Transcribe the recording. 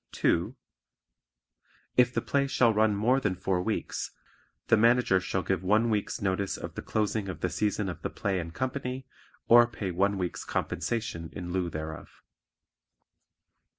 (2) If the play shall run more than four weeks, the Manager shall give one week's notice of the closing of the season of the play and company, or pay one week's compensation in lieu thereof.